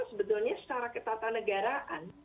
sebetulnya secara ketatanegaraan